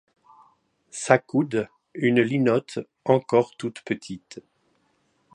S'accoude, -une linotte, encor toute petite